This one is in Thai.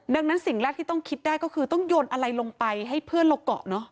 ดังนั้นสิ่งแรกที่ต้องคิดได้ก็คือต้องโยนอะไรลงไปให้เพื่อนเราเกาะเนอะ